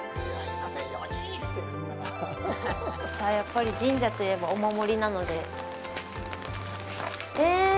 やっぱり、神社といえば、お守りなので。